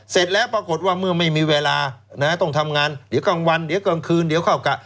เสร็จแล้วปรากฏว่าเมื่อไม่มีเวลาต้องทำงานเดี๋ยวกลางวันเดี๋ยวกลางคืนเดี๋ยวเข้ากะ